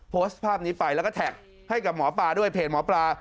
โพสต์ภาพนี้ไปแล้วก็แท็กให้กับหมอปลาด้วยเพจหมอปลา